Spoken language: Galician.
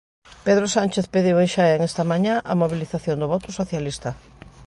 Pedro Sánchez pediu en Xaén esta mañá a mobilización do voto socialista.